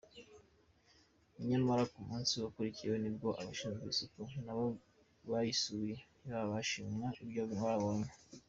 Nyamara ku munsi wakurikiye, nibwo abashinzwe isuku nabo bayisuye, ntibashimishwa n’ibyo babonye.